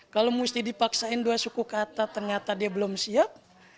kalau mesti dipaksain dua suku kata ternyata dia belum siap